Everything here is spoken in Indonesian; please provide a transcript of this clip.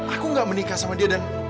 aku gak menikah sama dia dan